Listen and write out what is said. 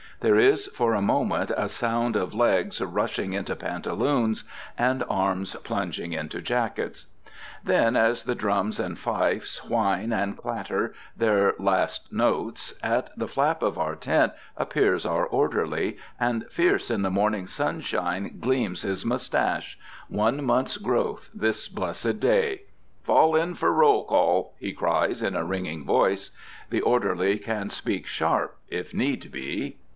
There is for a moment a sound of legs rushing into pantaloons and arms plunging into jackets. Then, as the drums and fifes whine and clatter their last notes, at the flap of our tent appears our orderly, and fierce in the morning sunshine gleams his moustache, one month's growth this blessed day. "Fall in, for roll call!" he cries, in a ringing voice. The orderly can speak sharp, if need be.